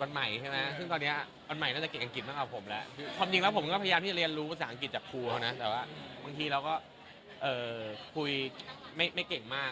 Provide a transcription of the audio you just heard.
แต่ไหนคุณคูยกันกับพี่ครูสวัสดี